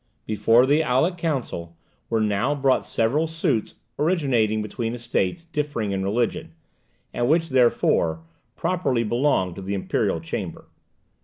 Before the Aulic Council were now brought several suits originating between Estates differing in religion, and which, therefore, properly belonged to the Imperial Chamber.